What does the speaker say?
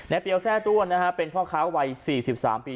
ในปีเอาแทร่ต้วนนะฮะเป็นพ่อค้าวัยสี่สิบสามปี